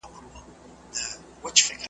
نه مي هوږه خوړلی ده او نه یې له بویه بېرېږم